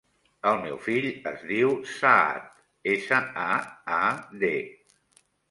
El meu fill es diu Saad: essa, a, a, de.